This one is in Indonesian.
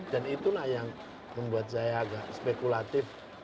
dan itulah yang membuat saya agak spekulatif